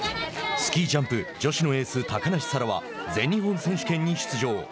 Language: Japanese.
スキージャンプ、女子のエース高梨沙羅は全日本選手権に出場。